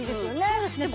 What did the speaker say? そうですね。